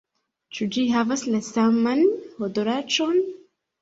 Ĉu ĝi havas la saman odoraĉon?